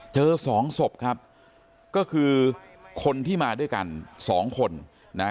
สองศพครับก็คือคนที่มาด้วยกันสองคนนะฮะ